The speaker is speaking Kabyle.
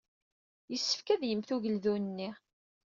Yessefk ad yemmet ugeldun-nni.